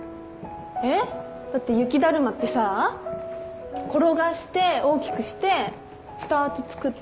えっだって雪だるまってさ転がして大きくして２つ作ってもう一個載っけてねっ。